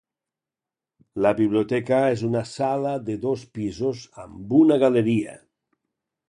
La biblioteca és una sala de dos pisos amb una galeria.